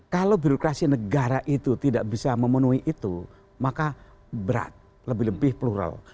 kalau birokrasi negara itu tidak bisa memenuhi itu maka berat lebih lebih plural